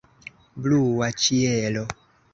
Blua ĉielo.